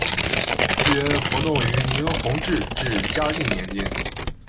约活动于明弘治至嘉靖年间。